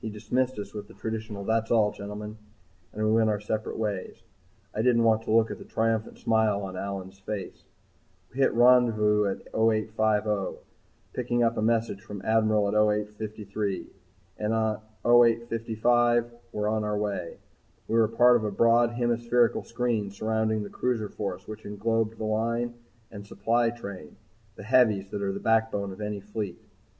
He dismissed us with the traditional "That's all, gentlemen," and we went out separate ways. I didn't want to look at the triumphant smile on Allyn's face. We hit rendezvous at 0850, picked up a message from the Admiral at 0853, and at 0855 were on our way. We were part of a broad hemispherical screen surrounding the Cruiser Force which englobed the Line and supply train the heavies that are the backbone of any fleet.